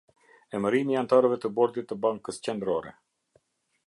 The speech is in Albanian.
Emërimi i anëtarëve të Bordit të Bankës Qendrore.